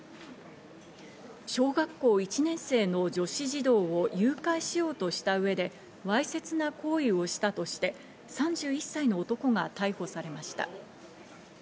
小学校１年生の女子児童を誘拐しようとした上で、わいせつな行為をしたとして、３１歳の男が逮捕されました。